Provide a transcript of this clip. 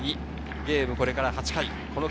ゲームこれから８回。